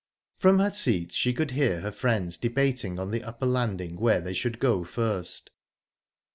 From her seat she could hear her friends debating on the upper landing where they should go first.